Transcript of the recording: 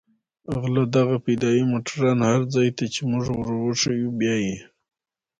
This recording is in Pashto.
غله دغه فدايي موټران هر ځاى ته چې موږ وروښيو بيايي.